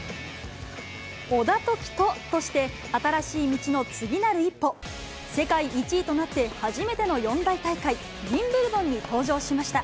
小田凱人として、新しい道の次なる一歩、世界１位となって初めての四大大会、ウィンブルドンに登場しました。